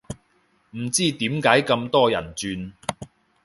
唔知點解咁多人轉